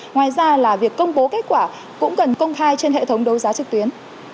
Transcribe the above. ngoài ra là việc công bố kết quả cũng cần công khai trên hệ thống đấu giá trực tuyến